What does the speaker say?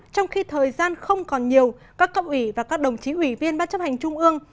trong khi thời gian không còn nhiều các cộng ủy và các đồng chí ủy viên bác chấp hành trung ương